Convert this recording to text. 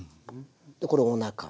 でこれおなか。